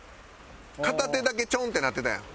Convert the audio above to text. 片手だけチョンってなってたやん。